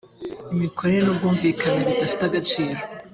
imikorere n ubwumvikane bidafite agaciro